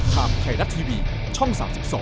ทางไทยรัฐทีวีช่อง๓๒